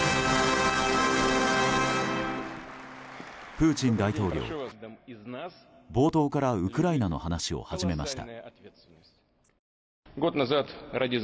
プーチン大統領、冒頭からウクライナの話を始めました。